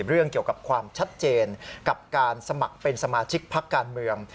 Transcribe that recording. เรื่องเกี่ยวกับความชัดเจนกับการสมัครเป็นสมาชิกพักการเมือง